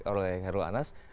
oleh kherul anas